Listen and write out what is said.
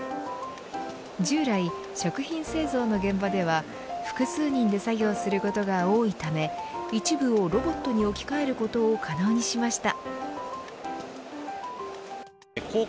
従来、食品製造の現場では複数人で作業することが多いため一部をロボットに置き換えることを可能にしました。